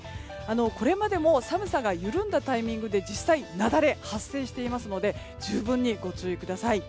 これまでも寒さが緩んだタイミングで実際に雪崩が発生していますので十分にご注意ください。